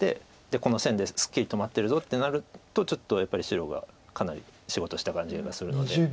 この線ですっきり止まってるぞってなるとちょっとやっぱり白がかなり仕事した感じがするので。